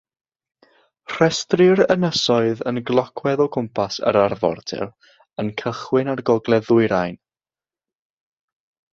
Rhestrir ynysoedd yn glocwedd o gwmpas yr arfordir, yn cychwyn o'r gogledd-ddwyrain.